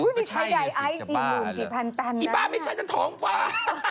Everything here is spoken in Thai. อุ๊ยไม่ใช่ใดไอที่หลุมสี่พันนั้นน่ะฮ่าอีบ้าไม่ใช่จนท้องฟ้า